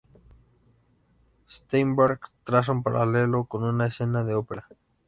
Steinberg traza un paralelo con una escena de ópera.